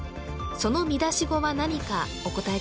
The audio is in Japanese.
その見出し語は何かお答え